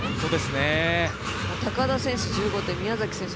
高田選手１５点宮崎選手